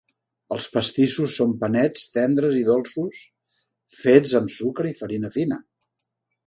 Els pastissos són panets tendres i dolços fets amb sucre i farina fina.